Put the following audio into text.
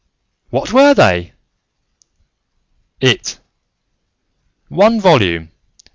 What were they?" "It. One volume.